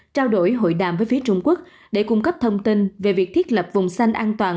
trao đổi hội đàm với phía trung quốc để cung cấp thông tin về việc thiết lập vùng xanh an toàn